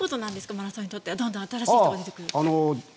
マラソンにとってはどんどん新しい人が出てくるというのは。